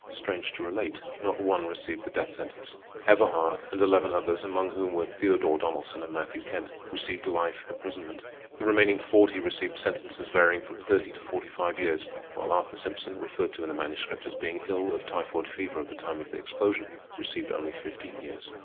Strange to relate, not one received the death sentence. Everhard and eleven others, among whom were Theodore Donnelson and Matthew Kent, received life imprisonment. The remaining forty received sentences varying from thirty to forty five years; while Arthur Simpson, referred to in the Manuscript as being ill of typhoid fever at the time of the explosion, received only fifteen years.